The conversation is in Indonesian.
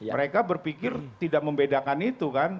mereka berpikir tidak membedakan itu kan